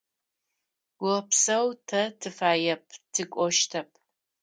Опсэу, тэ тыфаеп, тыкӏощтэп.